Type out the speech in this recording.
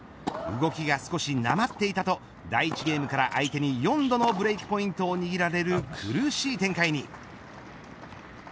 動きが少し、なまっていたとか第１ゲームから相手に４度のブレークポイントを握られる苦しい展開に。